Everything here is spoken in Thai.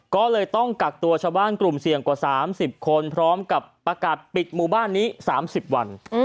ก็เลยต้องกักตัวชาวบ้านกลุ่มเสี่ยงกว่า๓๐คนพร้อมกับประกาศปิดหมู่บ้านนี้๓๐วัน